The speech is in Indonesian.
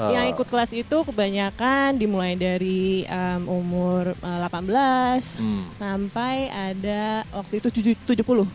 yang ikut kelas itu kebanyakan dimulai dari umur delapan belas sampai ada waktu itu tujuh puluh